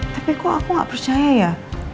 tapi kok aku gak percaya ya